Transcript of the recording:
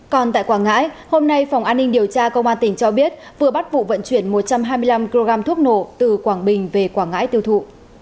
còn tại quảng ngãi hôm nay phòng an ninh điều tra công an tỉnh cho biết vừa bắt vụ vận chuyển một trăm hai mươi năm kg thuốc nổ từ quảng bình về quảng ngãi tiêu thụ